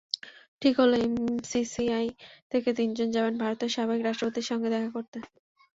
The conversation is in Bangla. ঠিক হলো এমসিসিআই থেকে তিনজন যাবেন ভারতের সাবেক রাষ্ট্রপতির সঙ্গে দেখা করতে।